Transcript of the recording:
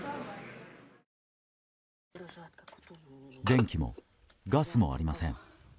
電気もガスもありません。